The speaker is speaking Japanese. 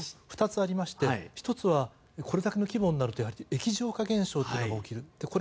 ２つありまして１つはこれだけの規模になるとやはり液状化現象が起きると。